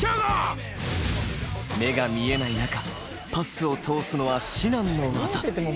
目が見えない中パスを通すのは、至難の業。